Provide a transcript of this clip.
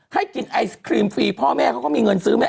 ให้กินไอศครีมฟรีพ่อแม่เขาก็มีเงินซื้อไหม